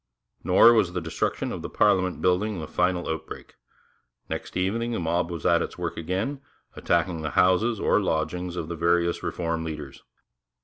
Nor was the destruction of the Parliament Building the final outbreak. Next evening the mob was at its work again, attacking the houses or lodgings of the various Reform leaders.